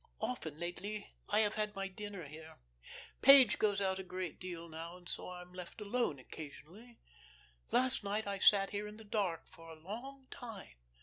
Often lately I have had my dinner here. Page goes out a great deal now, and so I am left alone occasionally. Last night I sat here in the dark for a long time.